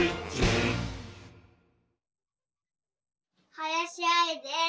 はやしあいです。